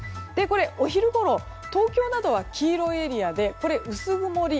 お昼ごろ、東京などは黄色いエリアでこれ、薄曇り。